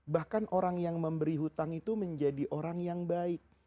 bahkan orang yang memberi hutang itu menjadi orang yang baik